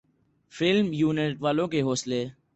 film unit والوں کے حوصلے